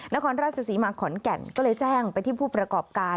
นครราชศรีมาขอนแก่นก็เลยแจ้งไปที่ผู้ประกอบการ